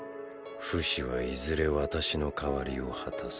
フシはいずれ私の代わりを果たす。